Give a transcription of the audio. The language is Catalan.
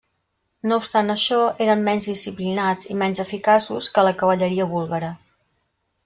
No obstant això, eren menys disciplinats i menys eficaços que la cavalleria búlgara.